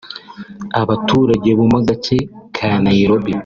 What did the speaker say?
Abaturage bo mu gace ka Nairobi